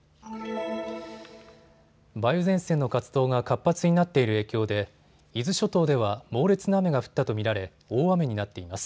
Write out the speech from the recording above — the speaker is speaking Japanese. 梅雨前線の活動が活発になっている影響で伊豆諸島では猛烈な雨が降ったと見られ、大雨になっています。